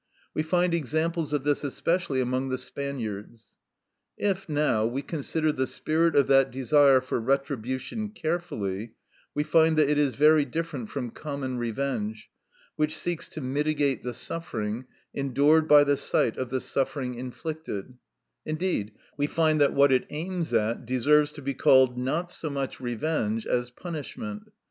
We find examples of this especially among the Spaniards.(78) If, now, we consider the spirit of that desire for retribution carefully, we find that it is very different from common revenge, which seeks to mitigate the suffering, endured by the sight of the suffering inflicted; indeed, we find that what it aims at deserves to be called, not so much revenge as punishment.